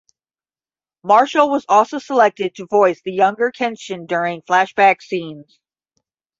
Marshall was also selected to voice the younger Kenshin during flashback scenes.